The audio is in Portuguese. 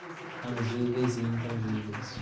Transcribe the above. tangíveis e intangíveis